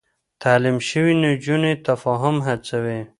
تعليم شوې نجونې تفاهم هڅوي.